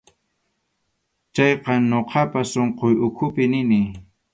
Chayqa ñuqapas sunquy ukhupi nini.